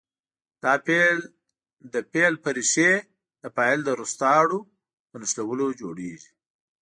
دا فعل د فعل په ریښې د فاعل د روستارو په نښلولو جوړیږي.